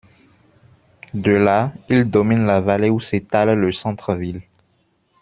De là, il domine la vallée où s’étale le centre-ville.